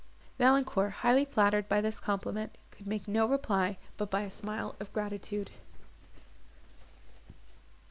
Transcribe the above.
Valancourt, highly flattered by this compliment, could make no reply but by a smile of gratitude.